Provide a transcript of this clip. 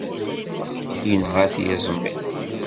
Yenɣa-t yiẓmi.